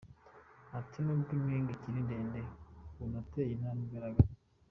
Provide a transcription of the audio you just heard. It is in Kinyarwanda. Ati “N’ubwo impinga ikiri ndende ubu twateye intambwe igaragara”.